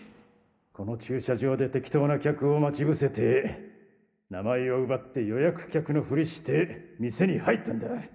この駐車場で適当な客を待ち伏せて名前を奪って予約客のフリして店に入ったんだ。